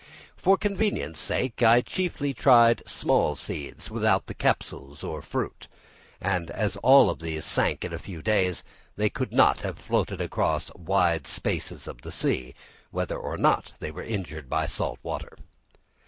For convenience' sake I chiefly tried small seeds without the capsules or fruit; and as all of these sank in a few days, they could not have been floated across wide spaces of the sea, whether or not they were injured by salt water.